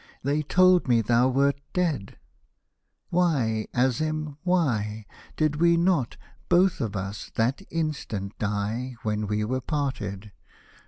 They told me thou wert dead — why, AziM, why Did we not, both of us, that instant die When we were parted